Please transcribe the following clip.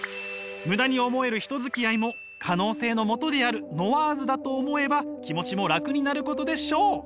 ムダに思える人付き合いも可能性のもとであるノワーズだと思えば気持ちも楽になることでしょう！